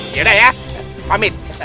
yaudah ya pamit